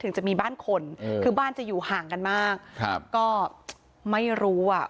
ถึงจะมีบ้านคนคือบ้านจะอยู่ห่างกันมากก็ไม่รู้อ่ะ